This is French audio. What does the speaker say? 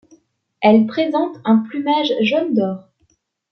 Elle présente un plumage jaune d'or.